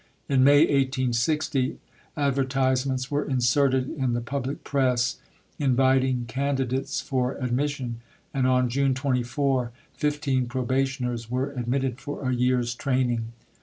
In May 1860, advertisements were inserted in the public press inviting candidates for admission, and on June 24 fifteen probationers were admitted for a year's training.